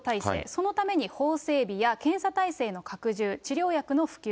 そのために法整備や検査体制の拡充、治療薬の普及。